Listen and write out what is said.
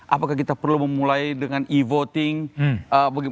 apakah kita perlu memulai dengan e voting